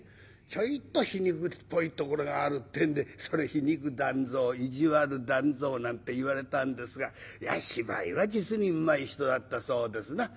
ちょいと皮肉っぽいところがあるってんでそれ皮肉団蔵意地悪団蔵なんて言われたんですが芝居は実にうまい人だったそうですな。